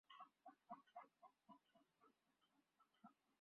Lionel মেসির আন্তর্জাতিক football থেকে অবসরে সবাই অবাক হলেও হোর্হে ভালদানো হননি।